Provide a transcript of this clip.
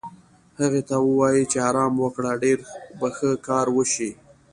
هغې ته ووایې چې ارام وکړه، ډېر به ښه کار وشي.